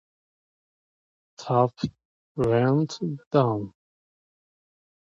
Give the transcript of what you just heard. The Enclave shares powertrains with its Lambda siblings.